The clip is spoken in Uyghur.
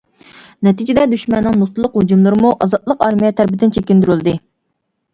نەتىجىدە دۈشمەننىڭ نۇقتىلىق ھۇجۇملىرىمۇ ئازادلىق ئارمىيە تەرىپىدىن چېكىندۈرۈلدى.